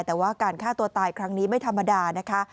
แต่ว่าการฆ่าตัวตายครั้งนี้ไม่ธรรมดานะคะ